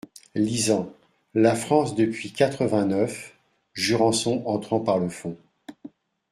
Lisant. "La France depuis quatre-vingt-neuf…" Jurançon , entrant par le fond.